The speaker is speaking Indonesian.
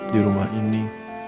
di rumah ini